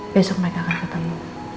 besok mereka akan ketemu